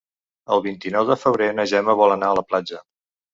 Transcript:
El vint-i-nou de febrer na Gemma vol anar a la platja.